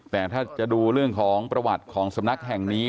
แต่ถ้าจะดูเรื่องของประวัติของสำนักแห่งนี้